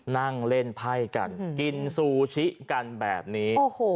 นั่งเล่นไพ่กันกินซูชิกันแบบนี้